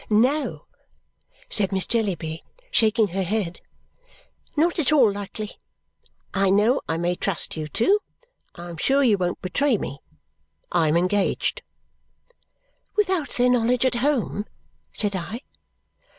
"No!" said Miss Jellyby, shaking her head. "Not at all likely! I know I may trust you two. I am sure you won't betray me. I am engaged." "Without their knowledge at home?" said I.